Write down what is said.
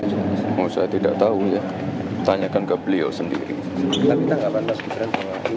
sempat ada rasa jayokan kita menggunakan